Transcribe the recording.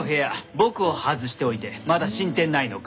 僕を外しておいてまだ進展ないのか？